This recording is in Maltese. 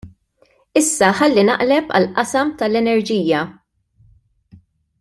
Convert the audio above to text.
Issa ħalli naqleb għall-qasam tal-enerġija.